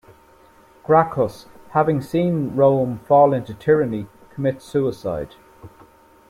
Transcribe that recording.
Gracchus, having seen Rome fall into tyranny, commits suicide.